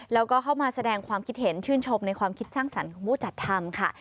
แล้วก็เข้ามาแสดงความคิดเห็นชื่นชมในความคิดสร้างสรรค์ของผู้จัดทำค่ะ